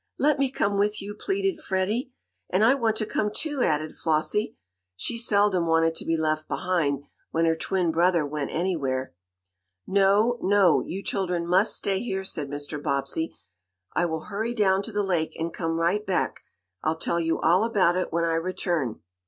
"Let me come with you!" pleaded Freddie. "And I want to come, too!" added Flossie. She seldom wanted to be left behind, when her twin brother went anywhere. "No, no! You children must stay here," said Mr. Bobbsey. "I will hurry down to the lake, and come right back. I'll tell you all about it, when I return."